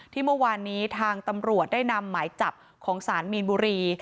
เมื่อวานนี้ทางตำรวจได้นำหมายจับของสารมีนบุรี